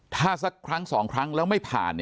ถ้าสักครั้ง๒ครั้งแล้วไม่ผ่าน